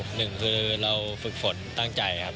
หนึ่งคือเราฝึกฝนตั้งใจครับ